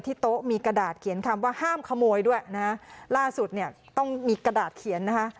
โต๊ะมีกระดาษเขียนคำว่าห้ามขโมยด้วยนะฮะล่าสุดเนี่ยต้องมีกระดาษเขียนนะคะ